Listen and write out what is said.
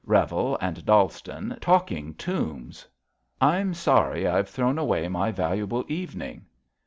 Revel and Dallston, talking tombs. I'm sorry I've thrown away my valuable evening."